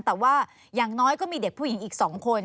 แต่ว่าอย่างน้อยก็มีเด็กผู้หญิงอีก๒คน